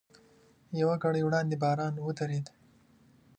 یوه ګړۍ وړاندې باران ودرېد.